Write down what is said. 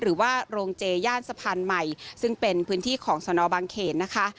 หรือว่าโรงเจย่านสะพานใหม่ซึ่งเป็นพื้นที่ของสนบางเขนนะคะ